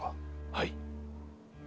はい。